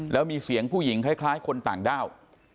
แล้วมีเสียงผู้หญิงคล้ายคนต่างด้าว